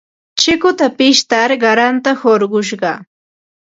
Chikuta pishtar qaranta hurqushqaa.